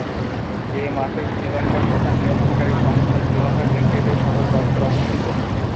এ মাঠেই শ্রীলঙ্কার প্রধান নিয়ন্ত্রণকারী সংস্থা শ্রীলঙ্কা ক্রিকেটের সদর দফতর অবস্থিত।